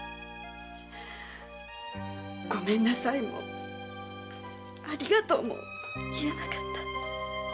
「ごめんなさい」も「ありがとう」も言えなかった‼